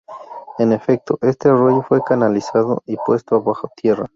En efecto, este arroyo fue canalizado y puesto bajo tierra.